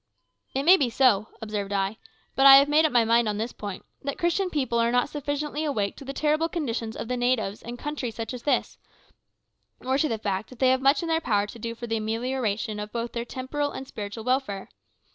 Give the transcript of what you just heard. "It may be so," observed I, "but I have made up my mind on this point, that Christian people are not sufficiently awake to the terrible condition of the natives of countries such as this, or to the fact that they have much in their power to do for the amelioration of both their temporal and spiritual welfare.